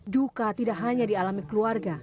duka tidak hanya di alami keluarga